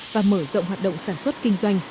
và mở rộng hoạt động sản xuất kinh doanh